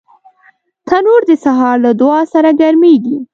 تنور د سهار له دعا سره ګرمېږي